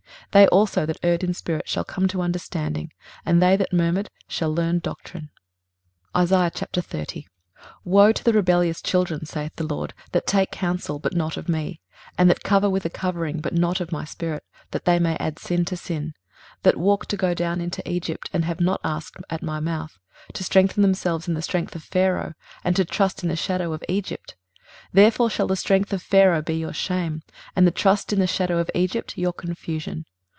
23:029:024 They also that erred in spirit shall come to understanding, and they that murmured shall learn doctrine. 23:030:001 Woe to the rebellious children, saith the LORD, that take counsel, but not of me; and that cover with a covering, but not of my spirit, that they may add sin to sin: 23:030:002 That walk to go down into Egypt, and have not asked at my mouth; to strengthen themselves in the strength of Pharaoh, and to trust in the shadow of Egypt! 23:030:003 Therefore shall the strength of Pharaoh be your shame, and the trust in the shadow of Egypt your confusion.